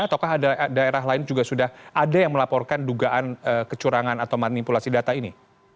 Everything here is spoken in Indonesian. ataukah ada daerah lain juga sudah ada yang melaporkan dugaan kecurangan atau manipulasi data ini